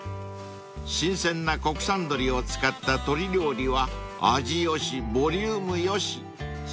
［新鮮な国産鶏を使った鶏料理は味よしボリュームよしその上コスパも抜群］